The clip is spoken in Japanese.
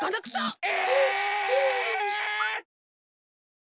え！？